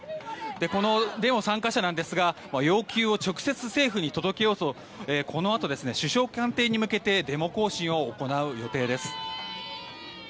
このデモ参加者なんですが要求を直接政府に届けようとこのあと、首相官邸に向けてデモ行進を行う予定です。